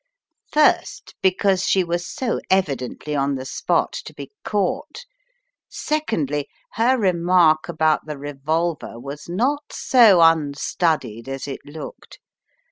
"First, because she was so evidently on the spot to be caught; secondly, her remark about the revolver was not so unstudied as it looked.